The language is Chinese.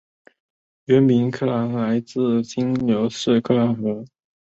原名维亚特卡来自流经该市的维亚特卡河。